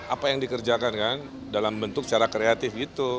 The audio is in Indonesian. apa yang dikerjakan dalam bentuk secara kreatif